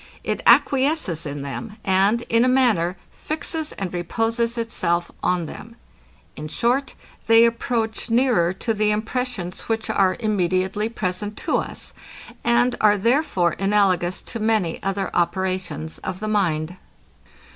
It acquiesces in them; and, in a manner, fixes and reposes itself on them. In short, they approach nearer to the impressions, which are immediately present to us; and are therefore analogous to many other operations of the mind.